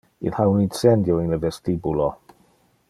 Il ha un incendio in le vestibulo.